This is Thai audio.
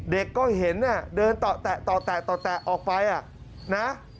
เด็กก็เห็นเดินต่อแตะออกไปนะ